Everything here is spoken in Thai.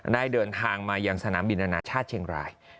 เดินทางมายังสนามบินอนาชาติเชียงราย